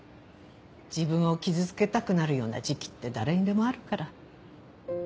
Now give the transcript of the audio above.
自分を傷つけたくなるような時期って誰にでもあるから。